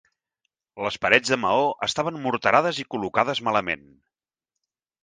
Les parets de maó estaven morterades i col·locades malament.